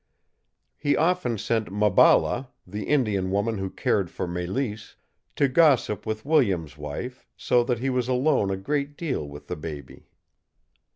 He often sent Maballa, the Indian woman who cared for Mélisse, to gossip with Williams' wife, so that he was alone a great deal with the baby.